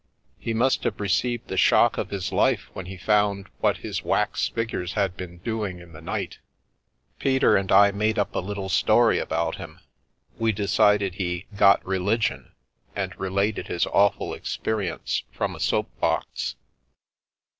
He must have received the shock of his life when he found what his wax figures had been doing in the night. Peter and I made up a little story about him; we decided he " got religion " and related his awful experience from a soap box.